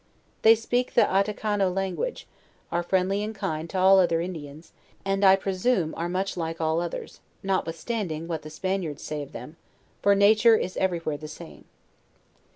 They speak the Attakano language; are friendly and kind to all other In dians, and, I presume, are much like all others, notwithstan ding what the Spaniards say of them; for nature is every where the same.